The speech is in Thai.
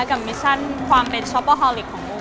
กับมิชชั่นความเป็นช้อปปเปอร์ฮอลิกของโบ